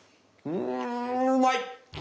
うんうまい！